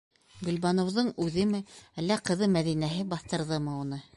Гөлбаныуҙың үҙеме, әллә ҡыҙы Мәҙинәһе баҫтырҙымы уны?